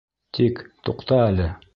Тик, туҡта әле!